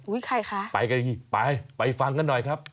ใครคะไปกันอย่างนี้ไปไปฟังกันหน่อยครับ